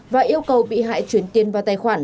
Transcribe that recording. và yêu cầu bị hại chuyển tiền vào tài khoản